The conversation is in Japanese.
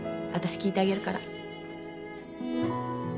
私聞いてあげるから。